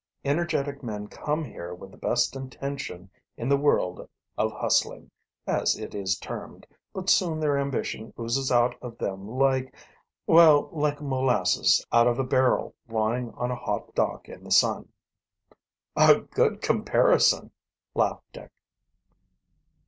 Energetic men come here, with the best intention in the world of hustling, as it is termed, but soon their ambition oozes out of them like well, like molasses out of a barrel lying on a hot dock in the sun. "A good comparison," laughed Dick.